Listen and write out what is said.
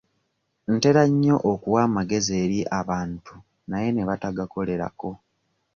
Ntera nnyo okuwa amagezi eri abantu naye ne batagakolerako.